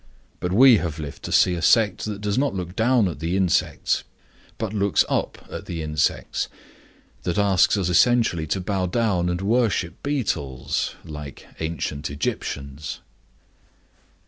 But we have lived to see a sect that does not look down at the insects, but looks up at the insects, that asks us essentially to bow down and worship beetles, like ancient Egyptians.